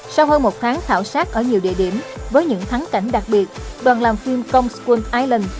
sau hơn một tháng thảo sát ở nhiều địa điểm với những thắng cảnh đặc biệt đoàn làm phim công school island